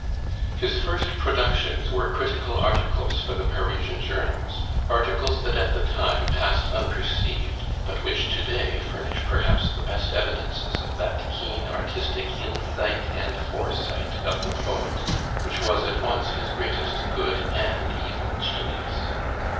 His first productions were critical articles for the Parisian journals; articles that at the time passed unperceived, but which to day furnish perhaps the best evidences of that keen artistic insight and foresight of the poet, which was at once his greatest good and evil genius.